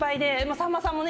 さんまさんもね